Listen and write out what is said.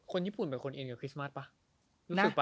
คนญี่ปุ่นเป็นคนเองกับคริสต์มาร์ทปะ